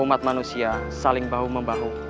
umat manusia saling bahu membahu